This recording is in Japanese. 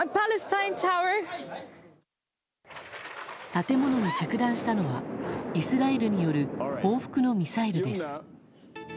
建物に着弾したのはイスラエルによる報復のミサイルです。